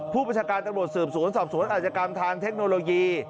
ประชาการตำรวจสืบสวนสอบสวนอาจกรรมทางเทคโนโลยี